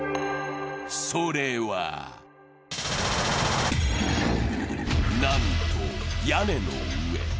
それはなんと屋根の上。